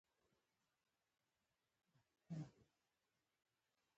کرپندوکي د هډوکو په شان یو ارتباطي نسج دي.